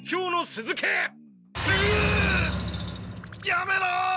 やめろ！